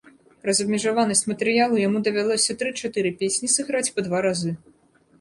Праз абмежаванасць матэрыялу яму давялося тры-чатыры песні сыграць па два разы.